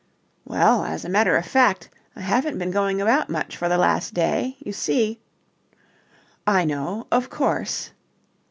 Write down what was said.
"Well, as a matter of fact, I haven't been going about much for the last day. You see..." "I know. Of course."